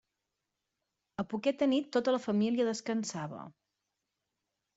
A poqueta nit tota la família descansava.